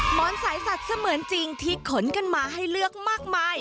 หมอนสายสัตว์เสมือนจริงที่ขนกันมาให้เลือกมากมาย